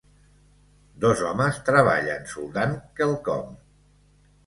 Dos homes treballen soldant quelcom.